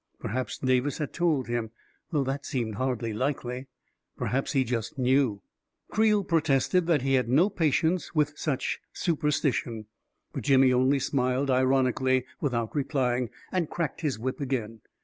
Perhaps Davis had told him — though that seemed hardly likely; perhaps he just knew I Creel protested that he had no patience with such superstition ; but Jimmy only smiled ironically, with out replying, and cracked his whip again.